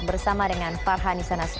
bersama dengan farhan isanas